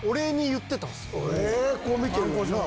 こう見てるのにな。